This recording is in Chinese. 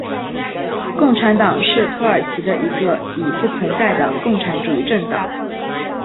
共产党是土耳其的一个已不存在的共产主义政党。